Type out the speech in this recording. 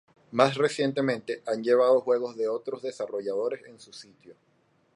Más recientemente, han llevado juegos de otros desarrolladores en su sitio.